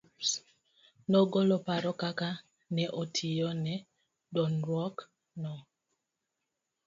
Nogolo paro kaka ne otiyo ne dong'ruok no.